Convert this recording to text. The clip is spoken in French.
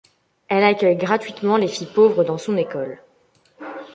Elle accueille gratuitement les filles pauvres dans son école.